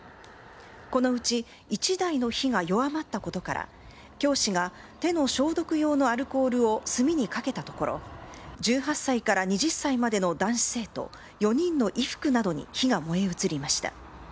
このうち１台の火が弱まったことから教師が手の消毒用のアルコールを炭にかけたところ１８歳から２０歳までの男子生徒４人の衣服などに火が燃え移りました。